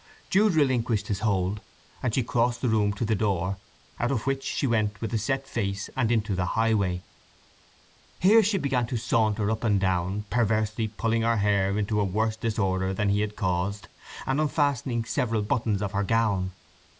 Jude relinquished his hold, and she crossed the room to the door, out of which she went with a set face, and into the highway. Here she began to saunter up and down, perversely pulling her hair into a worse disorder than he had caused, and unfastening several buttons of her gown.